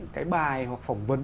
cái bài hoặc phỏng vấn